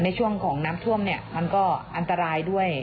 ในช่วงของน้ำท่วมเนี่ยมันก็อันตรายด้วย